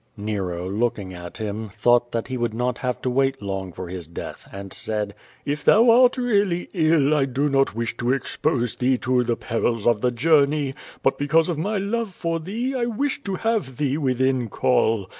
Nero, looking at him, thought that he would not have to wait long for his death, and said: *'lf thou art really ill 1 do not wish to cxj^ose thee to the perils of the journey, but because of my love for thee, 1 wish to have thee within call.